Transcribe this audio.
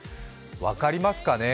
分かりますかね？